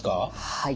はい。